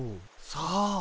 さあ。